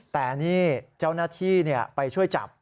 แต่นี่เจ้าหน้าที่ไปช่วยจับ